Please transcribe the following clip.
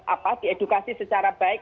apa diedukasi secara baik